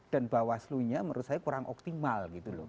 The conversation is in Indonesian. dan bahwaslunya menurut saya kurang optimal gitu loh